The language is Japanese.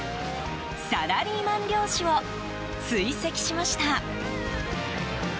サラリーマン漁師を追跡しました。